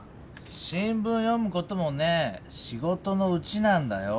新聞読むこともねぇしごとのうちなんだよ。